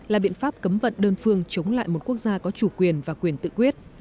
là biện pháp cấm vận đơn phương chống lại một quốc gia có chủ quyền và quyền tự quyết